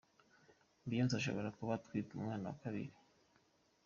Beyonce ashobora kuba atwite umwana wa kabiri.